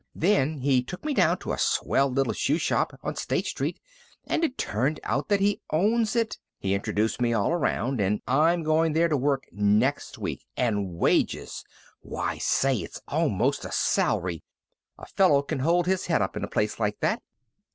Then he took me down to a swell little shoe shop on State Street, and it turned out that he owns it. He introduced me all around, and I'm going there to work next week. And wages! Why say, it's almost a salary. A fellow can hold his head up in a place like that."